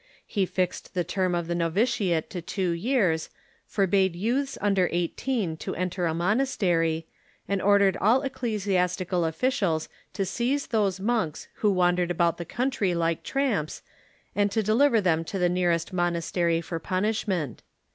He fixed the term of the novitiate to two years, forbade youths un der eighteen to enter a monastery, and ordered all ecclesiastical officials to seize those monks who wandered about the country like tramps, and to deliver them to the nearest monastery for punishment.